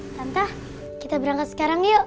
entah kita berangkat sekarang yuk